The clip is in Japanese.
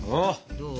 どう？